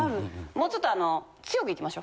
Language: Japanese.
もうちょっと。